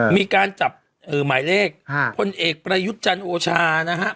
มีการจับเออหมายเลขค่ะคนเอกประยุจรรย์โอชานะฮะ